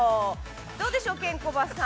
どうでしょう、ケンコバさん。